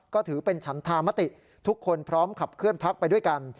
ก็ถือเป็นฉันธามติทุกคนพร้อมขับเคลื่อนพักไปด้วยกัน